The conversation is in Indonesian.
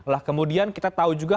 lah kemudian kita tahu juga